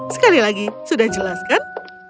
sekali lagi sudah jelas kan